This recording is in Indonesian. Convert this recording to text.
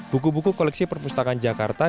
buku buku koleksi perpustakaan jakarta